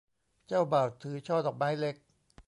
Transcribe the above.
เจ้าบ่าวถือช่อดอกไม้เล็ก